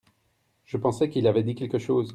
Je pensais qu'il avait dit quelque chose.